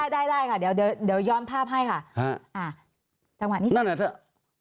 ได้ค่ะเดี๋ยวยอมภาพให้ค่ะ